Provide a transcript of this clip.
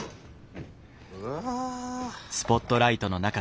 うわ。